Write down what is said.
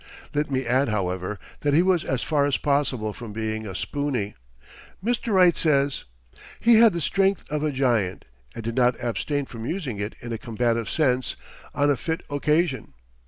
Let me add, however, that he was as far as possible from being a "spoony." Mr. Wright says: "He had the strength of a giant, and did not abstain from using it in a combative sense on a fit occasion.